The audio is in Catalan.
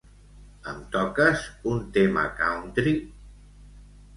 Em toques un tema country?